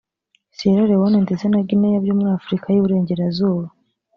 Sierra Leone ndetse na Guinea byo muri Afurika y’Iburengerazuba